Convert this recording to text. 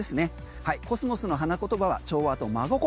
コスモスの花言葉は調和と真心。